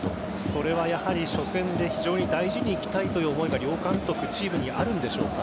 それは、やはり初戦で非常に大事にいきたいという思いが両監督、チームにあるんでしょうか？